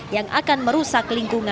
yang akan merusak lingkungan